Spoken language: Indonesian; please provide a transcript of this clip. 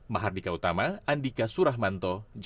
mahardika utama andika surat dan andika surat berkata